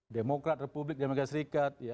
demokrat republik demokrasi serikat